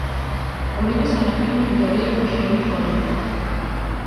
ორივე სანაპირო მდიდარია ქვიშიანი პლაჟებით.